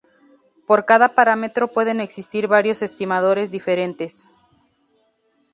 Para cada parámetro pueden existir varios estimadores diferentes.